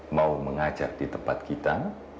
mau mengajak di tempat kita